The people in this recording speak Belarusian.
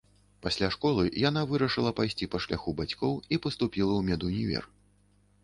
Пасля школы яна вырашыла пайсці па шляху бацькоў і паступіла ў медунівер.